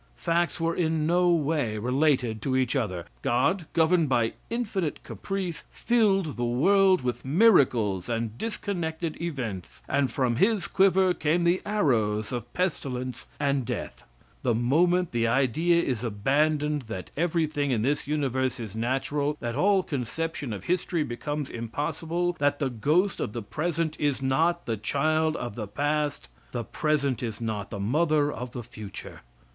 Facts were in no way related to each other. God, governed by infinite caprice, filled the world with miracles and disconnected events, and from his quiver came the arrows of pestilence and death. The moment the idea is abandoned that everything in this universe is natural that all phenomena are the necessary links in the endless chain of being the conception of history becomes impossible that the ghost of the present is not the child of the past; the present is not the mother of the future.